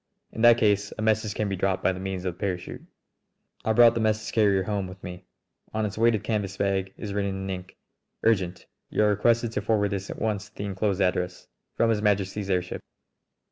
In that case a message can be dropped by means of the parachute." I brought the message carrier home with me. On its weighted canvas bag is written in ink: "Urgent! You are requested to forward this at once to the inclosed address. From His Majesty's airship